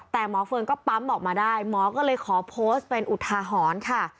แต่หมอเฟิร์นก็ปั๊มออกมาได้หมอก็เลยขอโพสต์เป็นอุทาหรณ์ค่ะ